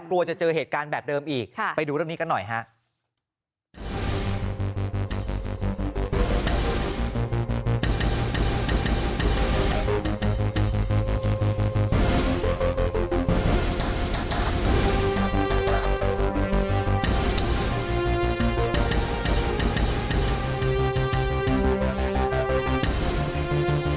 กลัวจะเจอเหตุการณ์แบบเดิมอีกไปดูเรื่องนี้กันหน่อยครับ